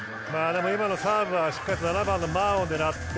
今のサーブはしっかりと７番のマーを狙って。